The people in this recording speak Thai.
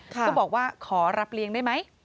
ก็บอกว่าขอรับเลี้ยงได้ไหม